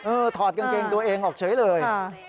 ถอดกางเกงตัวเองออกเฉยเลย